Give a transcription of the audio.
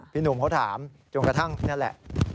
พี่หนุ่มเขาถามจนกระทั่งนั่นแหละ